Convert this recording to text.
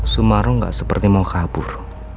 semaro nggak seperti mau kabur